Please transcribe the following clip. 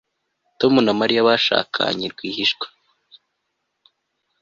Tom na Mariya bashakanye rwihishwa